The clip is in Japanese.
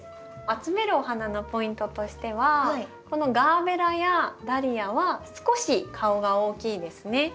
集めるお花のポイントとしてはこのガーベラやダリアは少し顔が大きいですね。